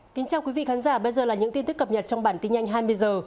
xin chào quý vị khán giả bây giờ là những tin tức cập nhật trong bản tin nhanh hai mươi h